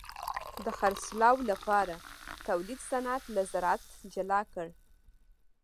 د خرڅلاو لپاره تولید صنعت له زراعت جلا کړ.